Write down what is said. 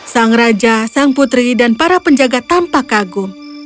sang raja sang putri dan para penjaga tampak kagum